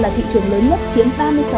là thị trường lớn nhất chiếm ba mươi sáu